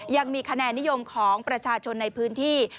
ยังมีคะแนนนิยมของประชาชนในพื้นที่